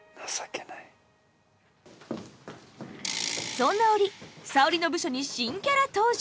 そんな折沙織の部署に新キャラ登場！